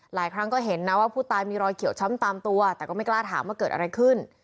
หลายครั้งก็เห็นนะว่าผู้ตายมีรอยเขียวช้ำตามตัวแต่ก็ไม่กล้าถามว่าเกิดอะไรขึ้น